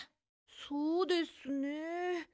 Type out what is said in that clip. そうですね。